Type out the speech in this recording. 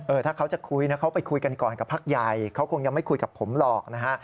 เออถ้าเขาจะคุยกันก่อนกับภักดิ์ใหญ่เขาคงยังไม่คุยกับผมหรอกนะฮะ